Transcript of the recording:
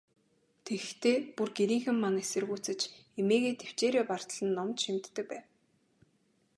Тэгэхдээ, бүр гэрийнхэн маань эсэргүүцэж, эмээгээ тэвчээрээ бартал нь номд шимтдэг байв.